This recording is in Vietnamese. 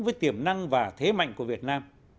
với tiềm năng và thế mạnh của việt nam